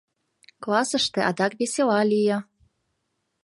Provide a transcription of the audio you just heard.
Классыште адак весела лие.